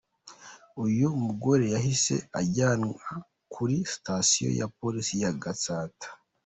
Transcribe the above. Uyu mugore yahise ajyanwa kuri Sitasiyo ya Polisi ya Gatsata.